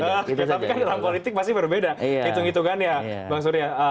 tapi kan dalam politik pasti berbeda hitung hitungan ya bang surya